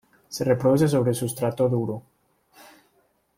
Se reproduce sobre sustrato duro.